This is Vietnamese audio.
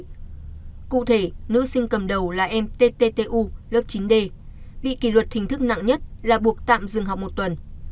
cụ thể nữ sinh cầm đầu là em ttu lớp chín d bị kỷ luật hình thức nặng nhất là buộc tạm dừng học một tuần